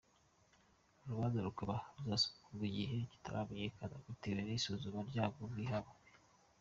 Urubanza rukaba ruzasubukurwa igihe kitaramenyekana bitewe n’isuzuma ry’ubwo bwihane.